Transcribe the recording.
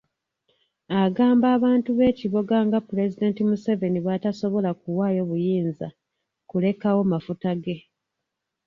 Agamba abantu b'e Kiboga nga Pulezidenti Museveni bw'atasobola kuwaayo buyinza kulekawo mafuta ge.